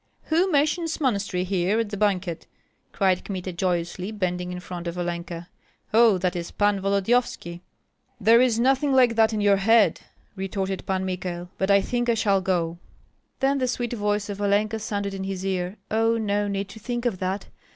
"Who mentions monastery here at the banquet?" cried Kmita, joyously, bending in front of Olenka. "Oh, that is Pan Volodyovski." "There is nothing like that in your head," retorted Pan Michael; "but I think I shall go." Then the sweet voice of Olenka sounded in his ear: "Oh, no need to think of that!